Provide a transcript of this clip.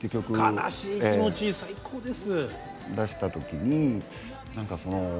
「悲しい気持ち」最高です。